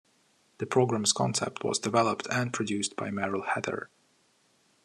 The program's concept was developed and produced by Merrill Heatter.